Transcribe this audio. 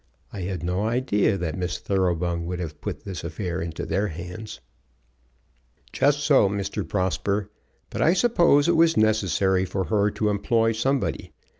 I had no idea that Miss Thoroughbung would have put this affair into their hands." "Just so, Mr. Prosper. But I suppose it was necessary for her to employ somebody.